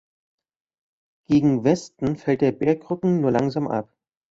Gegen Westen fällt der Bergrücken nur langsam ab.